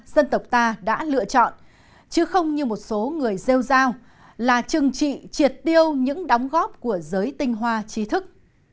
mà đã lựa chọn chứ không như một số người rêu rao là trừng trị triệt tiêu những đóng góp của giới tinh hoa trí thức